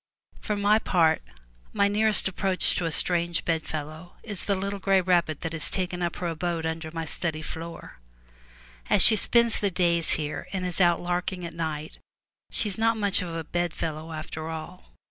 For my part, my nearest approach to a strange bedfellow is the little gray rabbit that has taken up her abode under my study floor. As she spends the day here and is out larking at night, she is not much of a bedfellow after all.